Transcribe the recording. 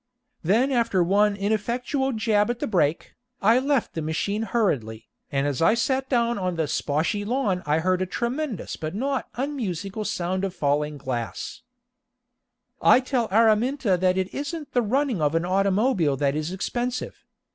Then after one ineffectual jab at the brake, I left the machine hurriedly, and as I sat down on the sposhy lawn I heard a tremendous but not unmusical sound of falling glass I tell Araminta that it isn't the running of an automobile that is expensive.